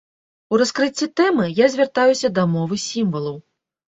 У раскрыцці тэмы я звяртаюся да мовы сімвалаў.